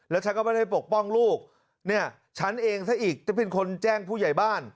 ฉันก็ไม่ได้ปกป้องลูกเนี่ยฉันเองซะอีกจะเป็นคนแจ้งผู้ใหญ่บ้าน